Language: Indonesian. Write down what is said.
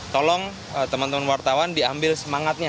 tolong teman teman wartawan diambil semangatnya